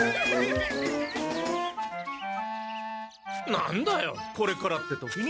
何だよこれからって時に。